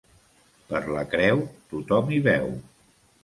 Per la creu tothom hi veu.